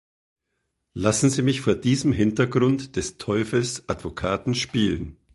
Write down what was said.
Lassen Sie mich vor diesem Hintergrund des Teufels Advokaten spielen.